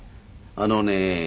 あのね